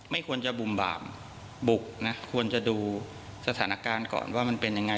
ไม่ควรจะบุ่มบามบุกนะควรจะดูสถานการณ์ก่อนว่ามันเป็นยังไง